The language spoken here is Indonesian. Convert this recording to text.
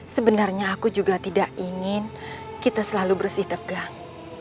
sebenarnya aku juga tidak ingin kita selalu bersih tegak